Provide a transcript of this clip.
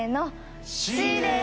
Ｃです。